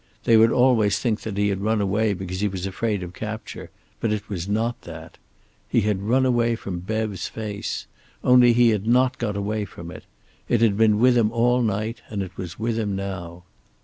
They would always think he had run away because he was afraid of capture, but it was not that. He had run away from Bev's face. Only he had not got away from it. It had been with him all night, and it was with him now.